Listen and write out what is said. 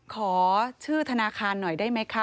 ขอชื่อธนาคารหน่อยได้ไหมคะ